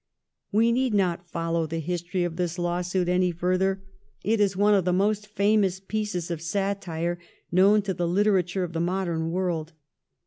We need not follow the history of this lawsuit any further. It is one of the most famous pieces of satire known to the literature of the modern world.